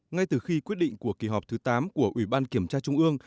ngay từ khi quyết định của kỳ họp thứ tám của ủy ban kiểm tra trung ương